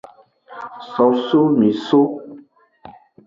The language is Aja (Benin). Sosomiso.